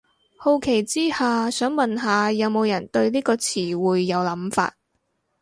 好奇之下，想問下有無人對呢個詞彙有諗法